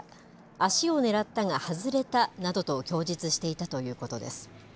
足を狙ったが外れたなどと供述していたということです。